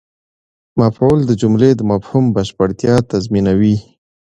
مفعول د جملې د مفهوم بشپړتیا تضمینوي.